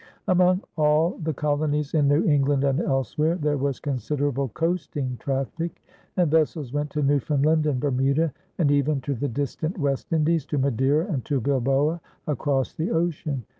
Among all the colonies in New England and elsewhere there was considerable coasting traffic, and vessels went to Newfoundland and Bermuda, and even to the distant West Indies, to Madeira, and to Bilboa across the ocean.